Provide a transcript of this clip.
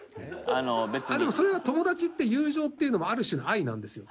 でも、それは友情っていうのもある種の愛なんですよ。